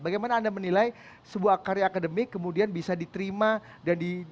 bagaimana anda menilai sebuah karya akademik kemudian bisa diterima dan di